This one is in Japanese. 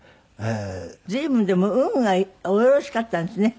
随分でも運がおよろしかったんですね。